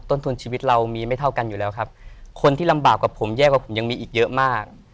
ต้นทุนชีวิตเรามีไม่เท่ากันอยู่แล้วครับคนที่ลำบากกับผมแย่กว่าผมยังมีอีกเยอะมาก